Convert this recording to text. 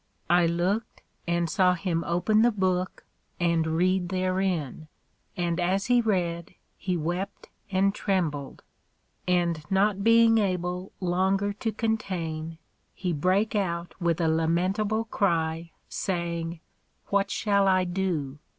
I looked, and saw him open the Book, and read therein; and as he read, he wept and trembled; and not being able longer to contain, he brake out with a lamentable cry, saying, What shall I do?